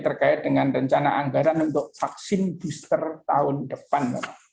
terkait dengan rencana anggaran untuk vaksin booster tahun depan